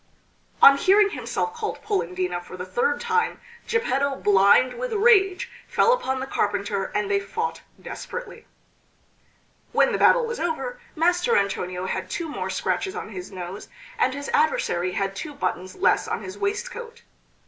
On hearing himself called Polendina for the third time Geppetto, blind with rage, fell upon the carpenter and they fought desperately. When the battle was over, Master Antonio had two more scratches on his nose, and his adversary had two buttons less on his waistcoat.